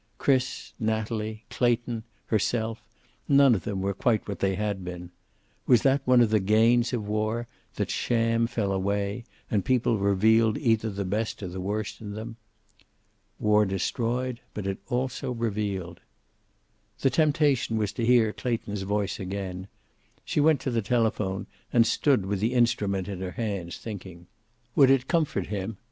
Chris, Natalie, Clayton, herself none of them were quite what they had been. Was that one of the gains of war, that sham fell away, and people revealed either the best or the worst in them? War destroyed, but it also revealed. The temptation was to hear Clayton's voice again. She went to the telephone, and stood with the instrument in her hands, thinking. Would it comfort him?